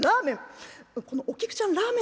お菊ちゃんラーメン。